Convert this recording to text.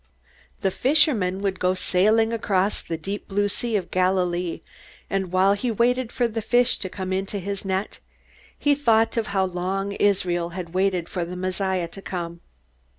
The fisherman would go sailing across the deep blue Sea of Galilee, and while he waited for the fish to come into his net, he thought of how long Israel had waited for the Messiah to come.